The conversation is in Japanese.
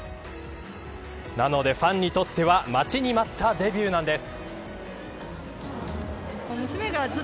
なので、ファンにとっては待ちに待ったデビューなんです。